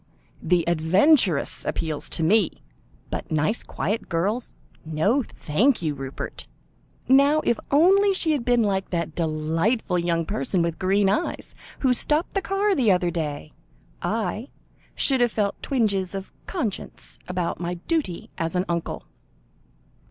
The adventuress appealed to me, but nice quiet girls no, thank you, Rupert! Now if only she had been like that delightful young person with green eyes, who stopped the car the other day I should have felt twinges of conscience about my duty as an uncle."